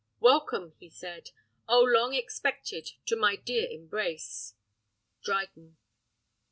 Welcome, he said: Oh, long expected, to my dear embrace! Dryden.